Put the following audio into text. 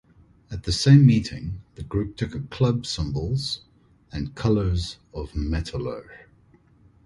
At the same meeting, the group took a club symbols and colors of "Metalurh".